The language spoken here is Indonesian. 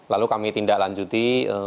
lalu kami tindak lanjuti